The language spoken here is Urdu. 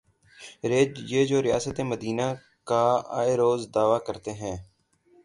یہ جو ریاست مدینہ کا آئے روز دعوی کرتے ہیں۔